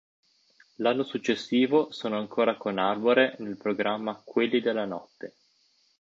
L'anno successivo sono ancora con Arbore nel programma "Quelli della notte".